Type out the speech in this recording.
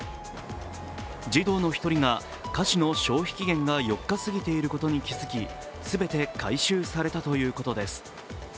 児童の１人が菓子の消費期限が４日過ぎていることに気づき、すべて回収されたということです。